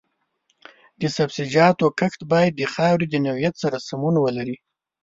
د سبزیجاتو کښت باید د خاورې د نوعیت سره سمون ولري.